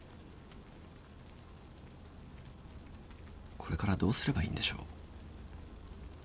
これからどうすればいいんでしょう。